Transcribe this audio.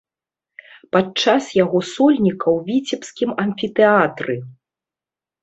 Падчас яго сольніка ў віцебскім амфітэатры!